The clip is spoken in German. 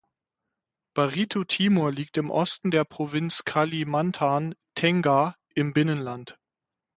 Barito Timur liegt im Osten der Provinz Kalimantan Tengah im Binnenland.